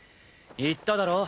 言っただろ？